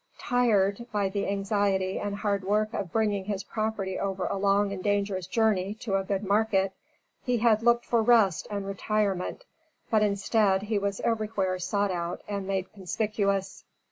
Tired, by the anxiety and hard work of bringing his property over a long and dangerous journey to a good market, he had looked for rest and retirement; but instead, he was everywhere sought out and made conspicuous.